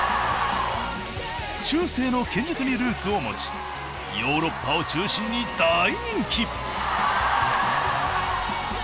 中世の剣術にルーツを持ちヨーロッパを中心に大人気！